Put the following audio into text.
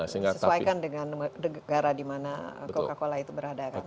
sesuaikan dengan negara di mana coca cola itu berada